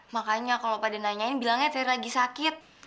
makanya kalau pada nanyain bilangnya tadi lagi sakit